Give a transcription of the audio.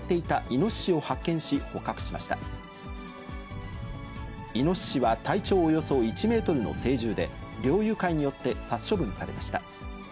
イノシシは体長およそ１メートルの成獣で、猟友会によって殺処分されました。